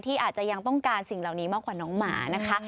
อาจจะยังต้องการสิ่งเหล่านี้มากกว่าน้องหมานะคะ